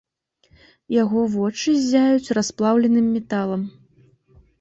Яго вочы ззяюць расплаўленым металам.